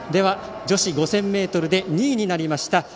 女子５０００ｍで２位になりました。